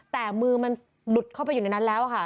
แต่มือมันหลุดเข้าไปอยู่ในนั้นแล้วค่ะ